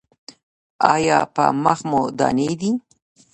ایا په مخ مو دانې دي؟